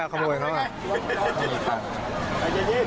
เป็นการบุญ่าย